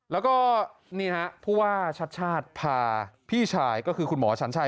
แล้วก็นี่ฮะผู้ว่าชัดชาติพาพี่ชายก็คือคุณหมอฉันชัย